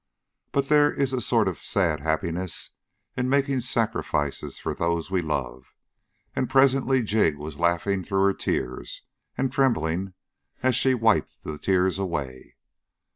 But there is a sort of sad happiness in making sacrifices for those we love, and presently Jig was laughing through her tears and trembling as she wiped the tears away.